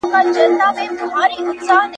زه جواب نه ورکوم،